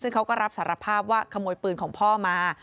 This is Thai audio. ซึ่งเขาก็รับสารภาพว่าขโมยปืนของพ่อมา